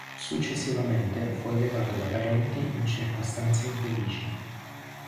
Successivamente, fu allevato da parenti in circostanze infelici.